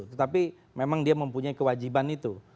tetapi memang dia mempunyai kewajiban itu